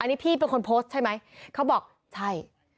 อันนี้พี่เป็นคนโพสต์ใช่ไหมเขาบอกใช่